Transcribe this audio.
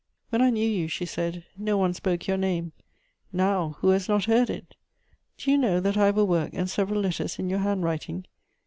"When I knew you," she said, "no one spoke your name; now, who has not heard it? Do you know that I have a work and several letters in your handwriting?